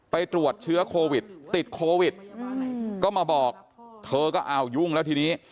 ไปตรวจเชื้อโควิดติดโควิดก็มาบอกเธอก็อ้าวยุ่งแล้วทีนี้